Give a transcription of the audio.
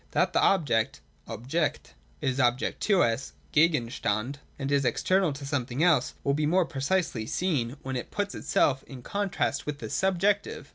That the object {Objekt) is also an object to us (Gegenstand) and is external to some thing else, will be more precisely seen, when it puts itself in contrast with the subjective.